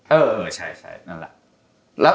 เออใช่นั่นแหละ